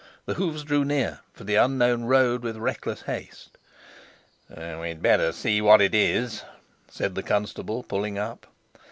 The hoofs drew near, for the unknown rode with reckless haste. "We had best see what it is," said the constable, pulling up.